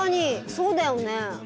そうだよね。